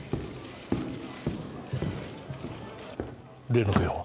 例の件は？